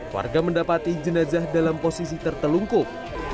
warga mendapati jenazah dalam posisi tertelungkup